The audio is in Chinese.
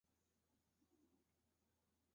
埃尔茨城堡是德国的一座中世纪时期城堡。